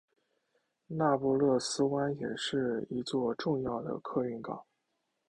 那不勒斯港也是一座重要的客运港。